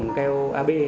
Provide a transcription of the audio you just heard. bằng keo ab